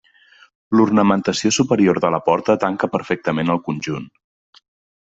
L'ornamentació superior de la porta tanca perfectament el conjunt.